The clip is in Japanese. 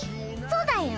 そうだよ。